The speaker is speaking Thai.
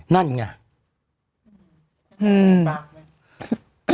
นั่นไง